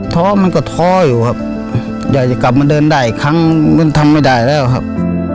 ้อมันก็ท้ออยู่ครับอยากจะกลับมาเดินได้อีกครั้งมันทำไม่ได้แล้วครับ